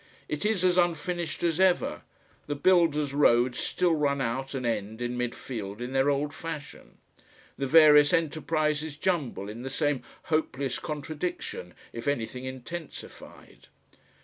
It is as unfinished as ever; the builders' roads still run out and end in mid field in their old fashion; the various enterprises jumble in the same hopeless contradiction, if anything intensified.